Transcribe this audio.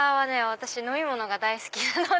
私飲み物が大好きなので。